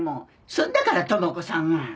そんなだから智子さんも。